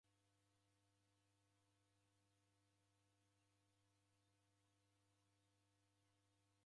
W'aisilamu w'aw'oka mori ghwa Ramadhani juma ichaa.